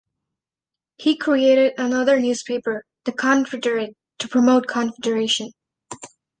He created another newspaper, "The Confederate", to promote Confederation.